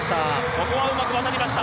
ここはうまく渡りました。